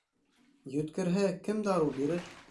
Йүткерһә, кем дарыу бирер?